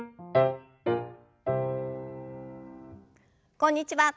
こんにちは。